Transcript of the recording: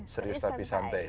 serius tapi santai